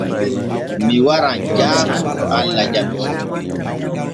Mi waran jaaŋo to Allah jaɓii.